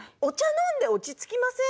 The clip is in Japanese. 飲んで落ち着きません？